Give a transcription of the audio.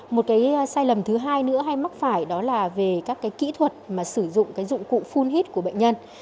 một cái sai lầm thứ hai nữa hay mắc phải đó là về các cái kỹ thuật mà sử dụng cái dụng cụ full hit của bệnh nhân